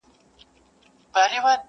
له مرغکیو به وي هیري مورنۍ سندري؛